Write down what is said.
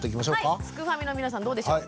はいすくファミの皆さんどうでしょう。